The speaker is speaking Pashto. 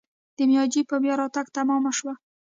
د میجي په بیا راتګ تمامه شوه.